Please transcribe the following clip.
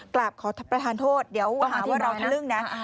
กราบขอประทานโทษเดี๋ยวหาว่าเราทะลึ่งนะ